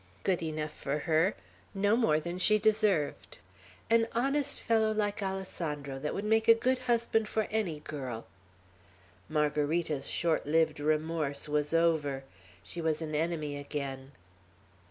"Good enough for her. No more than she deserved. An honest fellow like Alessandro, that would make a good husband for any girl!" Margarita's short lived remorse was over. She was an enemy again.